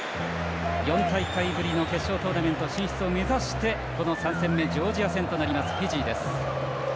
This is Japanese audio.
４大会ぶりの決勝トーナメント進出を目指してこの３戦目ジョージア戦となりますフィジー。